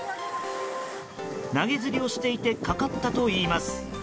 投げ釣りをしていてかかったといいます。